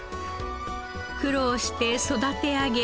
苦労して育て上げ